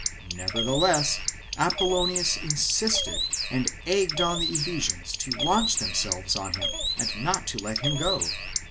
Neverthe less Apollonius insisted and egged on the Ephesians to launch themselves on him and not let him go.